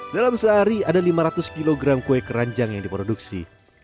dalam sehari ada lima ratus kg kue keranjang yang diproduksi